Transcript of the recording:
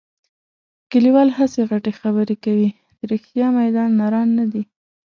کلیوال هسې غټې خبرې کوي. د رښتیا میدان نران نه دي.